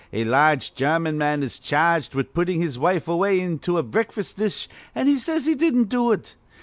A large German man is charged with puttin' his wife away into a breakfas' dish, an' he says he didn't do it.